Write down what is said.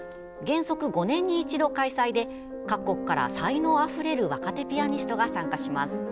原則５年に一度開催で各国から才能あふれる若手ピアニストが参加します。